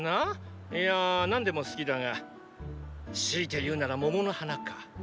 いや何でも好きだが強いて言うなら桃の花か。